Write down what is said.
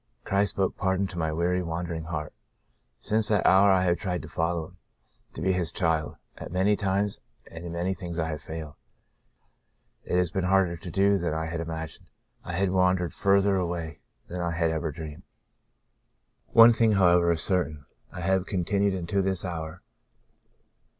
Christ spoke pardon to my weary, wandering heart. Since that hour I have tried to follow Him — to be His child. At many times and in many things 184 The Second Spring I have failed. It has been harder to do than I had imagined — I had wandered farther away than I had ever dreamed. "One thing however is certain — I have continued unto this hour.